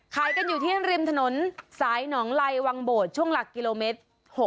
ขายกันอยู่ที่ริมถนนสายหนองไลวังโบดช่วงหลักกิโลเมตร